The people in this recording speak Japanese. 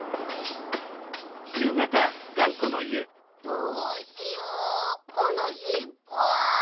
どうしようこのしっぽ。